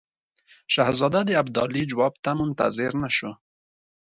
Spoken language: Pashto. شهزاده د ابدالي جواب ته منتظر نه شو.